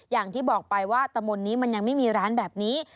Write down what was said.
อย่างที่บอกไปว่าตะมนต์นี้มันยังไม่มีร้านแบบนี้